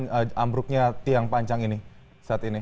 dengan ambruknya tiang panjang ini saat ini